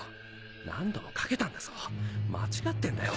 何度もかけたんだぞ間違ってんだよ